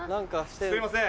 すいません